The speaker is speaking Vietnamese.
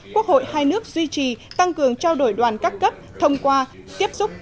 quốc hội hai nước duy trì tăng cường trao đổi đoàn các cấp thông qua tiếp xúc